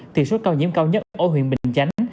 thì số ca nhiễm cao nhất ở huyện bình chánh